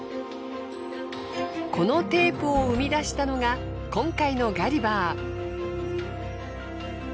このテープを生み出したのが今回のガリバー。